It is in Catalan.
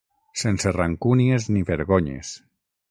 Sense rancúnies ni vergonyes.